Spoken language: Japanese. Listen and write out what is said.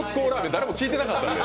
誰も聞いてなかった。